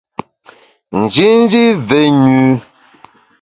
Njinji mvé nyü.